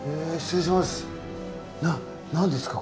な何ですか？